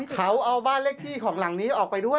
เขาเอาบ้านเลขที่ของหลังนี้ออกไปด้วย